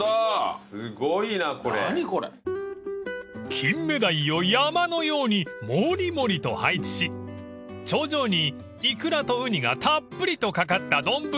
［キンメダイを山のようにもりもりと配置し頂上にイクラとウニがたっぷりと掛かった丼］